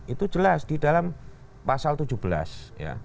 itu jelas di dalam pasal tujuh belas ya